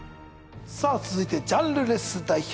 さぁ続いてジャンルレス代表